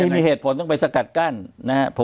มีเหตุผลต้องไปสกัดกั้นนะครับ